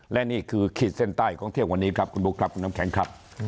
และนี่คือขีดเส้นใต้ของเที่ยงวันนี้ครับคุณบุ๊คครับคุณน้ำแข็งครับ